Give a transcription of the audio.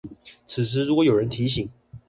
此時如果有人提醒